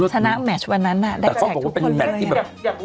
สนับแมชวันนั้นน่ะได้แจกทุกคนนี้เลยอ่ะแต่เขาก็บอกว่าเป็นแมชอีกแบบ